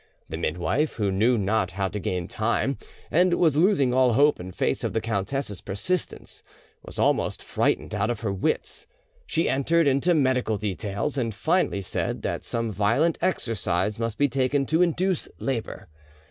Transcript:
The midwife, who knew not how to gain time, and was losing all hope in face of the countess's persistence, was almost frightened out of her wits; she entered into medical details, and finally said that some violent exercise must be taken to induce labour.